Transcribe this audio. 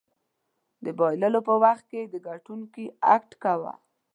د بایللو په وخت کې د ګټونکي اکټ کوه.